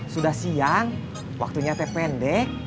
sudah siang waktunya teh pendek